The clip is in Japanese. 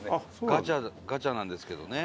ガチャガチャなんですけどね。